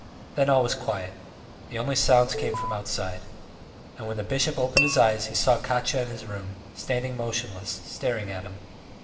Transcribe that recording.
Then all was quiet, the only sounds came from outside. And when the bishop opened his eyes he saw Katya in his room, standing motionless, staring at him.